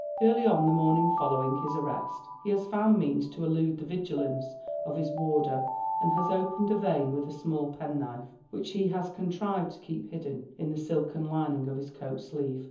Early on the momiDg following his arrest he has found means to elude the vigilance of his warder, and has opened a vein with a small penknife, which he has contrived to keep hidden in the silken lining of his coat sleeve.